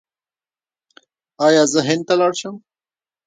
ایا زه هند ته لاړ شم؟